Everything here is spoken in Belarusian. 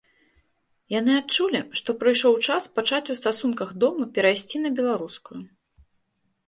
Яны адчулі, што прыйшоў час пачаць у стасунках дома перайсці на беларускую.